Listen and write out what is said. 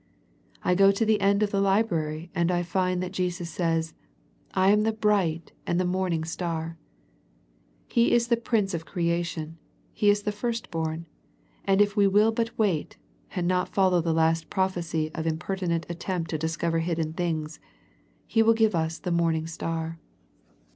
I go to the end of the Library, and I find that Jesus says, " I am the bright and the Morning Star." He is the Prince of creation, He is the First bom, and if we will but wait, and not follow the last false philosophy of impertinent attempt to discover hidden things, He will give us the morning star.